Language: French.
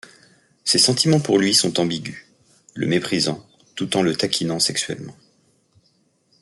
Ses sentiments pour lui sont ambigus, le méprisant tout en le taquinant sexuellement.